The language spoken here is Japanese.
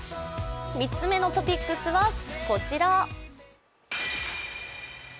３つめのトピックスはこちら。